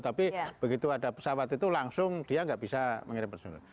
tapi begitu ada pesawat itu langsung dia nggak bisa mengirim personil